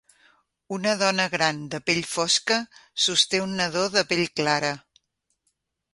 Una dona gran de pell fosca sosté un nadó de pell clara.